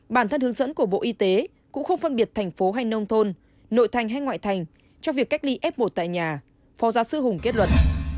bản thân hướng dẫn của bộ y tế cũng không phân biệt thành phố hay nông thôn nội thành hay ngoại thành cho việc cách ly f một tại nhà phó giáo sư hùng kết luận